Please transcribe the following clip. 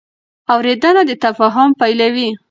اورېدنه د تفاهم پیلوي.